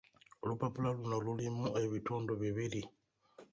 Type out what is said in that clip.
Olupapula luno lulimu ebitundu bibiri